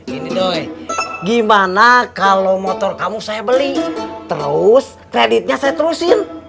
gini doy gimana kalau motor kamu saya beli terus kreditnya saya terusin